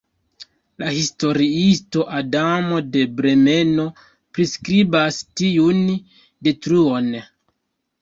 La historiisto Adamo de Bremeno priskribas tiun detruon.